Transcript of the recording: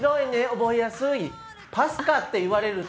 覚えやすい。